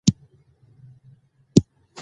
احمد وزده وکړه، خو ښځه یې د سرو په تول واخیسته.